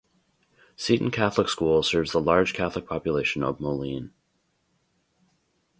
Seton Catholic School serves the large Catholic population of Moline.